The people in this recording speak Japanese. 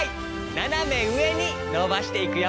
ななめうえにのばしていくよ。